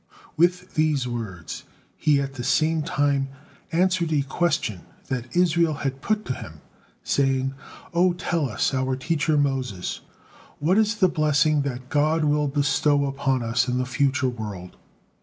With these words he at the same time answered a question that Israel had put to him, saying, "O tell us, our teacher Moses, what is the blessing that God will bestow upon us in the future world?"